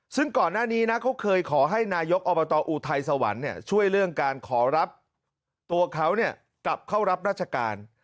ซึ่งก่อนหน้านี้นะเขาเคยขอให้นายกอบตออุทัยสวรรค์ช่วยเรื่องการขอรับตัวเขากลับเข้ารับราชการ